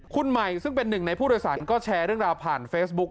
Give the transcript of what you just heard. คุณใหม่ซึ่งเป็นหนึ่งในผู้โดยสารก็แชร์เรื่องราวผ่านเฟซบุ๊ค